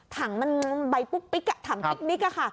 ถังมันไปปุ๊บปิ๊กถังพิกนิกค่ะ